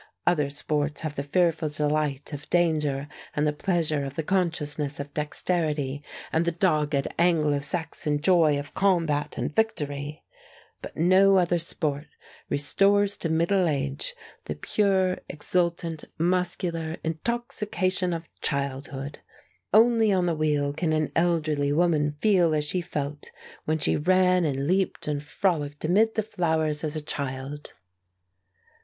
Other sports have the fearful delight of danger and the pleasure of the consciousness of dexterity and the dogged Anglo Saxon joy of combat and victory; but no other sport restores to middle age the pure, exultant, muscular intoxication of childhood. Only on the wheel can an elderly woman feel as she felt when she ran and leaped and frolicked amid the flowers as a child.